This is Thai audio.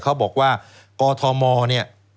เขาบอกว่ากอทรมอป์